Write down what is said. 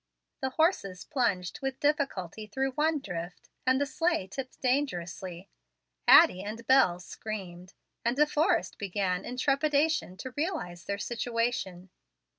The horses plunged with difficulty through one drift, and the sleigh tipped dangerously. Addie and Bel screamed, and De Forrest began, in trepidation, to realize their situation.